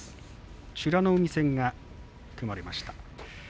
美ノ海戦が組まれました。